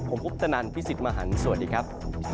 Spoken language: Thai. ผมคุปตนันพี่สิทธิ์มหันฯสวัสดีครับ